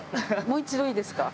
もう一度いいですか？